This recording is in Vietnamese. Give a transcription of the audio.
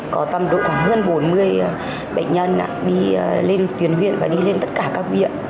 có tầm độ khoảng hơn bốn mươi bệnh nhân đi lên tuyến huyện và đi lên tất cả các viện